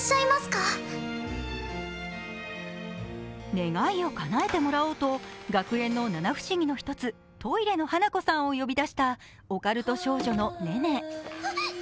願いをかねえてもらおうと、学園の七不思議の一つ、トイレの花子さんを呼び出したオカルト少女の寧々。